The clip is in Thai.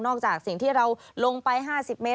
จากสิ่งที่เราลงไป๕๐เมตร